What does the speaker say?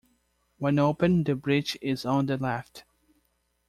When open, the breech is on the left.